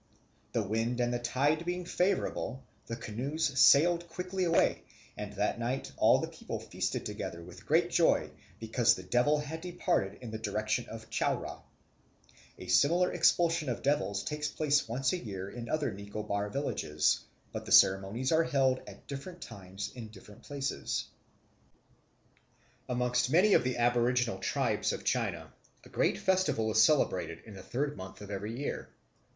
The wind and the tide being favourable, the canoes sailed quickly away; and that night all the people feasted together with great joy, because the devil had departed in the direction of Chowra. A similar expulsion of devils takes place once a year in other Nicobar villages; but the ceremonies are held at different times in different places. Amongst many of the aboriginal tribes of China, a great festival is celebrated in the third month of every year.